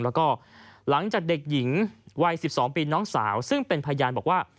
แล้วก็หลังจากเด็กหญิงวัย๑๒ปีน้องสาวซึ่งเป็นพยานบอกว่า